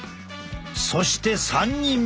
そして３人目。